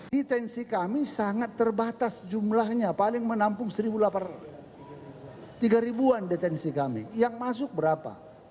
detensi kami sangat terbatas jumlahnya paling menampung satu tiga ribuan detensi kami yang masuk berapa